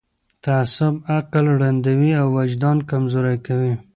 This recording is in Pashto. تعصب عقل ړندوي او وجدان کمزوری کوي